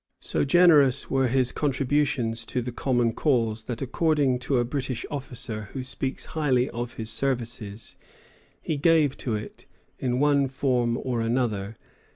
So generous were his contributions to the common cause that according to a British officer who speaks highly of his services, he gave to it, in one form or another, £10,000 out of his own pocket.